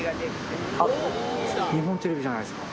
日本テレビじゃないですか。